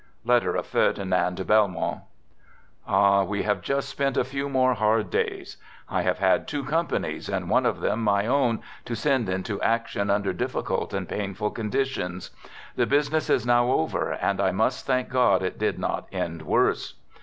(Letter of Ferdinand Belmont) Ah ! we have just spent a few more hard days. I have had two companies, and one of them my own, to send into action under difficult and painful con ditions. The business is now over and I must thank God it did not end worse.